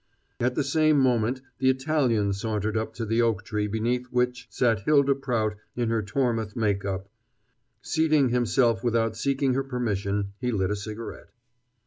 At the same moment the Italian sauntered up to the oak tree beneath which sat Hylda Prout in her Tormouth make up. Seating himself without seeking her permission, he lit a cigarette.